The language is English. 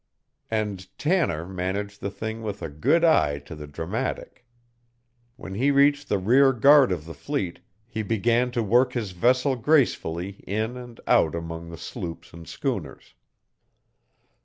And Tanner managed the thing with a good eye to the dramatic. When he reached the rear guard of the fleet he began to work his vessel gracefully in and out among the sloops and schooners.